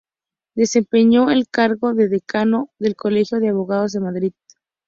Desempeñó el cargo de decano del Colegio de Abogados de Madrid.